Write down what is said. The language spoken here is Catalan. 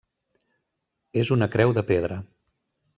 És una creu de pedra.